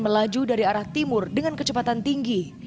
melaju dari arah timur dengan kecepatan tinggi